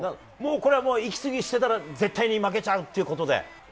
これはもう息継ぎしてたら絶対に負けちゃうということで。